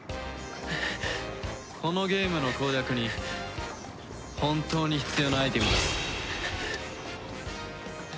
このゲームの攻略に本当に必要なアイテムだ。